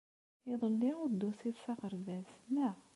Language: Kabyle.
Iḍelli ur d-tusiḍ s aɣerbaz, naɣ?